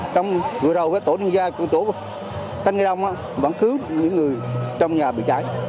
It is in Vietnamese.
trong vừa đầu tổ liên ra tổ thanh đông vẫn cứu những người trong nhà bị cháy